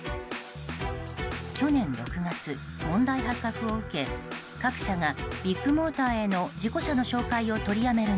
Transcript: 去年６月、問題発覚を受け各社がビッグモーターへの事故車の紹介を取りやめる